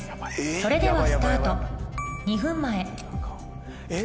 それではスタート２分前えっ？